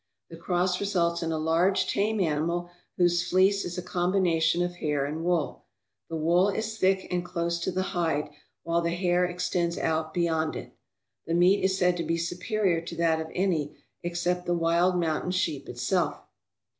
The cross results in a large, tame animal whose fleece is a combination of hair and wool. The wool is thick and close to the hide, while the hair extends out beyond it. The meat is said to be superior to that of any except the wild mountain sheep itself.